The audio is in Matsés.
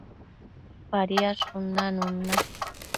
Badiadshun nanun na